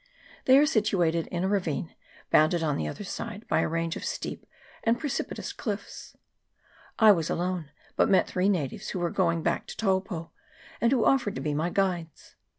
They are situated in a ravine, bounded on the other side by a range of steep and precipitous cliffs. I was alone; but met three natives, who were going back to Taupo, and who offered to be my guides.